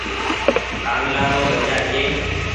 ڪآنگلآ رو بچآ ڇي۔